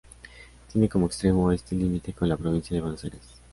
Tiene como extremo este al límite con la Provincia de Buenos Aires.